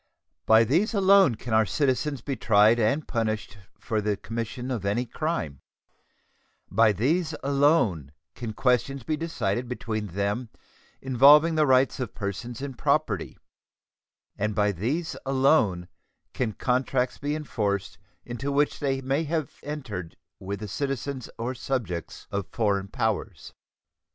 By these alone can our citizens be tried and punished for the commission of any crime; by these alone can questions be decided between them involving the rights of persons and property, and by these alone can contracts be enforced into which they may have entered with the citizens or subjects of foreign powers.